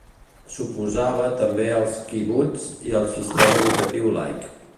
S'oposava també als quibuts i al sistema educatiu laic.